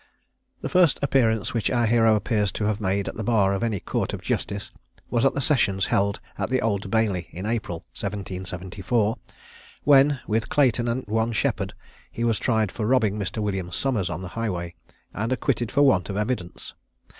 The first appearance which our hero appears to have made at the bar of any Court of Justice was at the sessions held at the Old Bailey in April, 1774, when, with Clayton and one Shepherd, he was tried for robbing Mr. William Somers on the highway, and acquitted for want of evidence.